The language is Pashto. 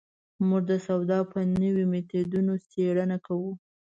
موږ د سودا په نویو مېتودونو څېړنه کوو.